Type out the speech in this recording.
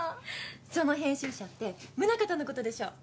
その編集者って宗像の事でしょ？